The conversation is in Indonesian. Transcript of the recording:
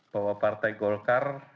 bahwa partai golkar